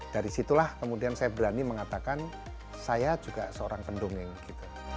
dari situlah kemudian saya berani mengatakan saya juga seorang pendongeng gitu